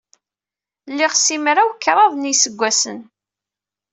Liɣ simraw-kraḍ n yiseggasen.